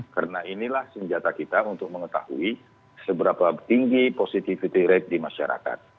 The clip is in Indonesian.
karena inilah senjata kita untuk mengetahui seberapa tinggi positivity rate di masyarakat